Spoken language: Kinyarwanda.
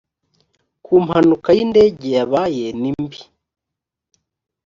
ku mpanuka y indege yabaye nimbi